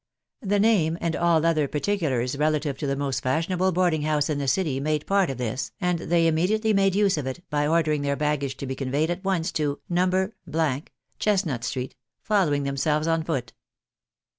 The name, and all other particulars relative to the most fashionable boarding house in the city, made part of this, and they immediately made use of it, by ordering their baggage to be conveyed at once to No. —, Chesnut street, following themselves on foot.